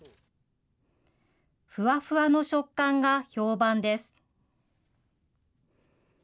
ふわふわの食感が評判です。